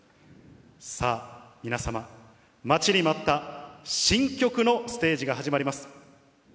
さあ皆様、待ちに待った新曲のステージが始まります。